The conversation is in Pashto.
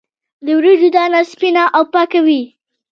د وریجو دانه سپینه او پاکه وي.